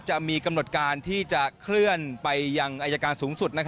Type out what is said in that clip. จะมีกำหนดการที่จะเคลื่อนไปยังอายการสูงสุด